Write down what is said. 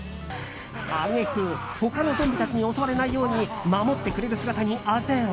揚げ句、他のゾンビたちに襲われないように守ってくれる姿にあぜん。